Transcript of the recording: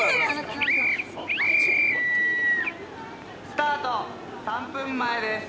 「スタート３分前です」